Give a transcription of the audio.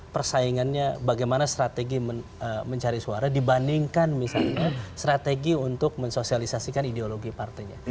persaingannya bagaimana strategi mencari suara dibandingkan misalnya strategi untuk mensosialisasikan ideologi partainya